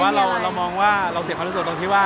หมายถึงว่าความดังของผมแล้วทำให้เพื่อนมีผลกระทบอย่างนี้หรอค่ะ